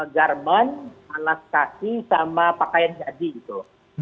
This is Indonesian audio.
garment alat kaki sama pakaian jaji gitu